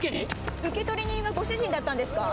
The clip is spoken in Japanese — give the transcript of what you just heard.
受取人はご主人だったんですか？